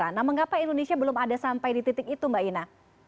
nah mengapa indonesia belum ada sampai di titik itu mbak ina